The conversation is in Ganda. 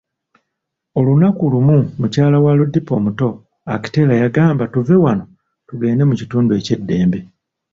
Olunaku lumu, mukyala wa Lodipo omuto, Akitela, yagamba, tuve wano tugende mu kitundu eky'eddembe.